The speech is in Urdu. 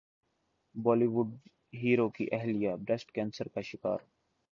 بولی وڈ ہیرو کی اہلیہ بریسٹ کینسر کا شکار